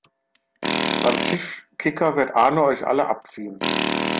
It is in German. Beim Tischkicker wird Arno euch alle abziehen!